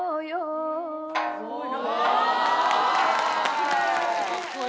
きれい！